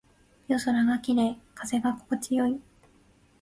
夜空が綺麗。風が心地よい。